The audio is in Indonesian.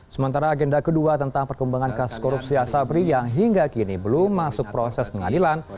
sementara agenda kedua tentang perkembangan kasus korupsi asabri yang hingga kini belum masuk proses pengadilan